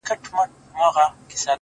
زما يتيـمي ارواح تـه غـــــوښـتې خـو.